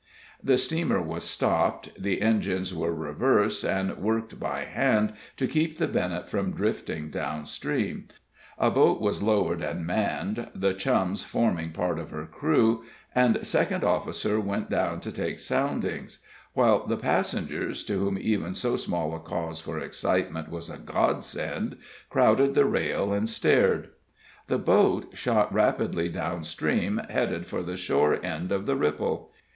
The steamer was stopped, the engines were reversed and worked by hand to keep the Bennett from drifting down stream, a boat was lowered and manned, the Chums forming part of her crew, and the second officer went down to take soundings; while the passengers, to whom even so small a cause for excitement was a godsend, crowded the rail and stared. The boat shot rapidly down stream, headed for the shore end of the ripple.